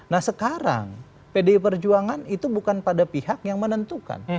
nah sekarang pdi perjuangan itu bukan pada pihak yang menentukan